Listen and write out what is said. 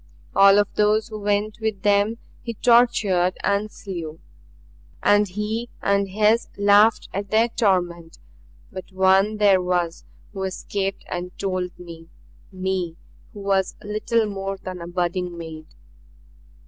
"All of those who went with them he tortured and slew and he and his laughed at their torment. But one there was who escaped and told me me who was little more than a budding maid.